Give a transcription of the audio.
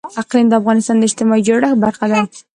اقلیم د افغانستان د اجتماعي جوړښت برخه ده.